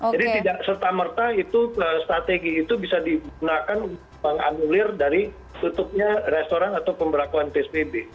tidak serta merta itu strategi itu bisa digunakan untuk menganulir dari tutupnya restoran atau pembelakuan psbb